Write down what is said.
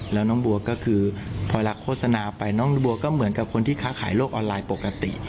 แล้วน้องบัวก็คือพอเวลาโฆษณาไปน้องบัวก็เหมือนกับคนที่ค้าขายโลกออนไลน์ปกติ